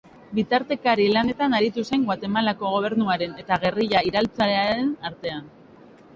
Bitartekari lanetan aritu zen Guatemalako gobernuaren eta gerrilla iraultzailearen artean.